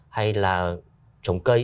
hay là trồng cây